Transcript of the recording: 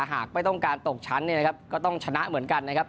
หากไม่ต้องการตกชั้นเนี่ยนะครับก็ต้องชนะเหมือนกันนะครับ